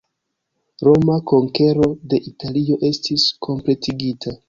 Roma konkero de Italio estis kompletigita.